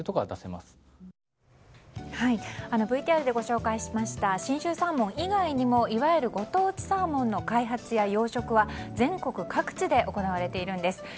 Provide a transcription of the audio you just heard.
ＶＴＲでご紹介しました信州サーモン以外にもいわゆるご当地サーモンの開発や養殖は全国各地で行われているんです。